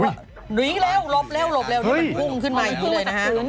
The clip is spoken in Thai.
หนีเร็วหลบเร็วหลบเร็วแล้วมันพุ่งขึ้นมาอย่างนี้เลยนะฮะ